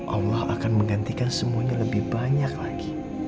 allah akan menggantikan semuanya lebih banyak lagi